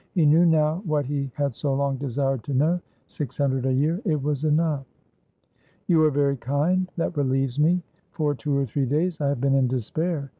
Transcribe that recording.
He knew now what he had so long desired to know. Six hundred a year; it was enough. "You are very kind. That relieves me. For two or three days I have been in despair.